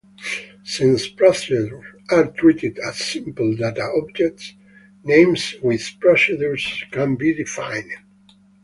Since procedures are treated as simple data objects, names with procedures can be defined.